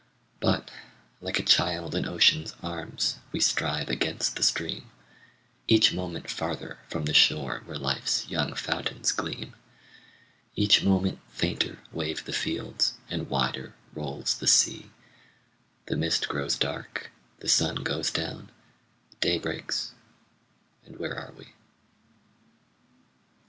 But, like a child in ocean's arms, We strive against the stream, Each moment farther from the shore Where life's young fountains gleam; Each moment fainter wave the fields, And wider rolls the sea; The mist grows dark, the sun goes down, Day breaks, and where are we?